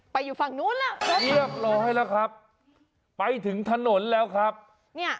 อยู่ฝั่งนู้นแล้วเรียบร้อยแล้วครับไปถึงถนนแล้วครับเนี่ย